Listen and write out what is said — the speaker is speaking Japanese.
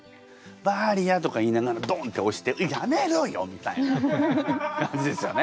「バーリア」とか言いながらドンッて押して「やめろよ！」みたいな感じですよね。